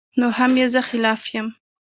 نو هم ئې زۀ خلاف يم